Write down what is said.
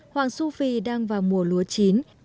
hoàng su phi đang vào mùa lúa chín